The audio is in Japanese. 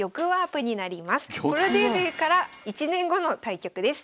プロデビューから１年後の対局です。